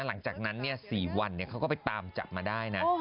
หลังจากนั้นเนี่ย๔วันเนี่ยเขาก็ไปตามจับมาได้นะ